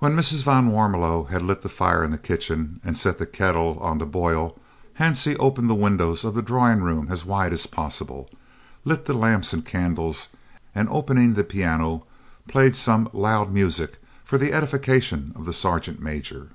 When Mrs. van Warmelo had lit the fire in the kitchen and set the kettle on to boil, Hansie opened the windows of the drawing room as wide as possible, lit the lamps and candles, and opening the piano, played some "loud music" for the edification of the sergeant major.